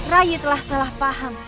rayi telah salah paham